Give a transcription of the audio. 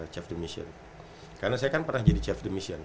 chef de mission karena saya kan pernah jadi chef di michelin